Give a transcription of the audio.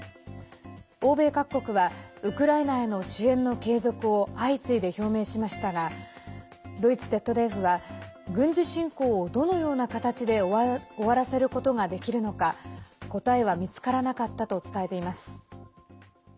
欧米各国はウクライナへの支援の継続を相次いで表明しましたがドイツＺＤＦは軍事侵攻をどのような形で終わらせることができるのか答えは見つからなかったと伝えています。